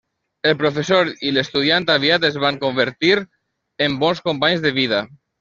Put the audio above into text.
El professor i l'estudiant aviat es van convertir en bons companys de vida.